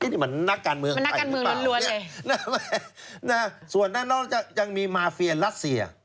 นี่มันนักการเมืองไปหรือเปล่าเนี่ยนะฮะส่วนด้านนอกยังมีมาเฟียรัสเซีย